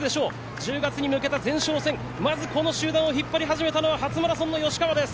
１０月に向けた前哨戦、まずこの集団を引っ張り始めたのは初マラソンの吉川です。